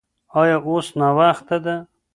ایا اوس ناوخته ده؟